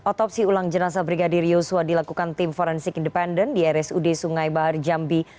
otopsi ulang jenazah brigadir yosua dilakukan tim forensik independen di rsud sungai bahar jambi